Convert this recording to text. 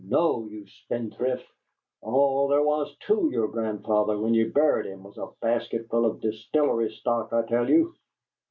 "No, you spendthrift! All there was TO your grandfather when you buried him was a basket full of distillery stock, I tell you!